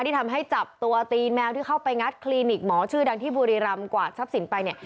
ที่ทำให้จับตัวตีนแมวที่เข้าไปงัดคลินิกหมอชื่อดังที่บุรีรำกวาดทรัพย์สินไปเนี่ย